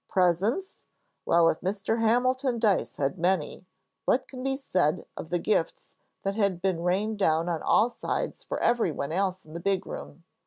Presents? Well, if Mr. Hamilton Dyce had many, what can be said of the gifts that had been rained down on all sides for every one else in the big room!